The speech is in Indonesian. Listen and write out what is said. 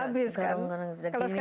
habis kan garung garung sudah gini aja